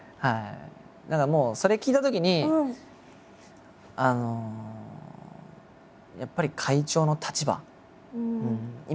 だからもうそれ聞いたときにあのやっぱり会長の立場。